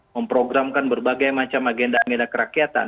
memprogramkan berbagai macam agenda agenda kerakyatan